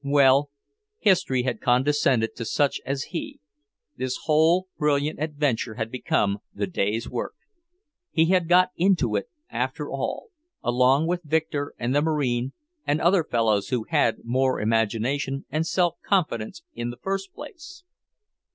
Well, History had condescended to such as he; this whole brilliant adventure had become the day's work. He had got into it after all, along with Victor and the Marine and other fellows who had more imagination and self confidence in the first place.